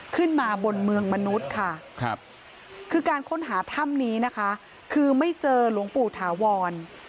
ขึ้นมาบนเมืองมนุษย์ค่ะคือการค้นหาถ้ำนี้นะคะคือไม่เจอหลวงปู่ถาวร